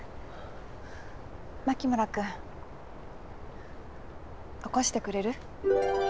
牧村君起こしてくれる？